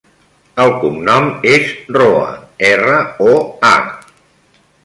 El cognom és Roa: erra, o, a.